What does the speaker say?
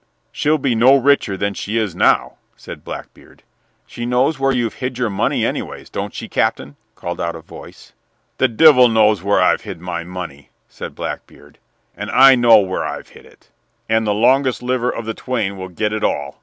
"She'll be no richer than she is now," said Blackbeard. "She knows where you've hid your money, anyways. Don't she, Captain?" called out a voice. "The divil knows where I've hid my money," said Blackbeard, "and I know where I've hid it; and the longest liver of the twain will git it all.